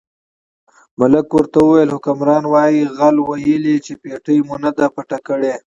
ملک ورته وویل حکمران وایي غل ویلي چې پېټۍ مو نه ده پټه کړې.